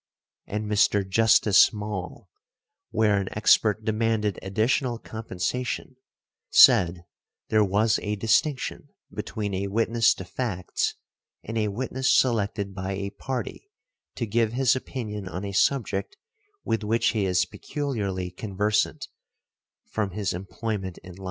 And Mr. Justice Maule, where an expert demanded additional compensation, said there was a distinction between a witness to facts and a witness selected by a party to give his opinion on a subject with which he is peculiarly conversant from his employment in life.